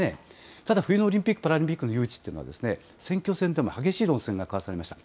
ただ、冬のオリンピック・パラリンピックの誘致というのは、選挙戦でも激しい論戦が交わされました。